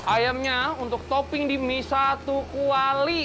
ayamnya untuk topping di mie satu kuali